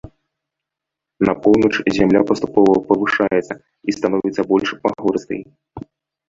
На поўнач зямля паступова павышаецца і становіцца больш пагорыстай.